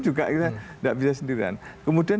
juga kita tidak bisa sendirian kemudian